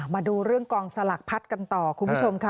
มาดูเรื่องกองสลักพัดกันต่อคุณผู้ชมค่ะ